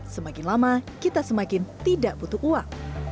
semakin lama kita semakin tidak butuh uang